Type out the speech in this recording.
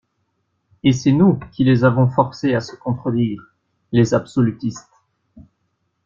Et c'est nous qui les avons forcés à se contredire, les absolutistes!